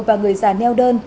và người già neo đơn